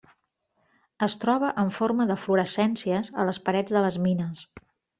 Es troba en forma d'eflorescències a les parets de les mines.